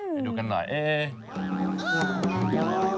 ไปดูกันหน่อยเอ๊ะ